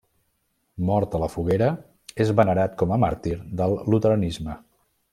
Mort a la foguera, és venerat com a màrtir del luteranisme.